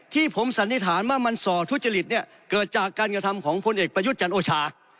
ที่ผมสันนิษฐานว่ามันส่อทุจริตเนี่ยเกิดจากการกระทำของพลเอกประยุทธ์จันทร์โอชา